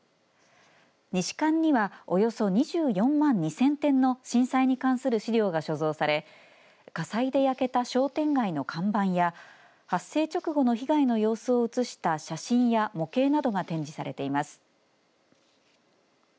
西館にはおよそ２４万２０００点の震災に関する資料が所蔵され火災で焼けた商店街の看板や発生直後の被害の様子を写した写真や模型などが展示されています。